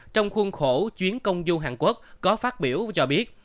trong khuôn khổ chuyến công du hàn quốc có phát biểu cho biết